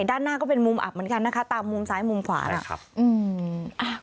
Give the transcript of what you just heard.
ด้านหน้าก็เป็นมุมอับเหมือนกันนะคะตามมุมซ้ายมุมขวานะครับอืมอ่ะ